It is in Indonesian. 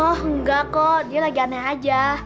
oh enggak kok dia lagi aneh aja